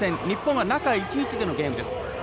日本は中１日でのゲームです。